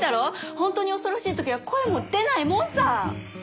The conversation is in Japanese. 本当に恐ろしい時は声も出ないもんさ！